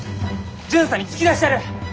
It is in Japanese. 巡査に突き出しちゃる！